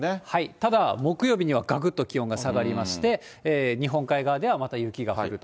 ただ、木曜日にはがくっと気温が下がりまして、日本海側ではまた雪が降ると。